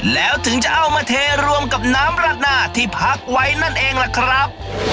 แล้วถึงจะเอามาเทรวมกับน้ำราดหน้าที่พักไว้นั่นเองล่ะครับ